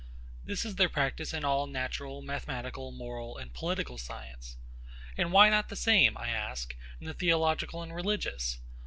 This is their practice in all natural, mathematical, moral, and political science. And why not the same, I ask, in the theological and religious?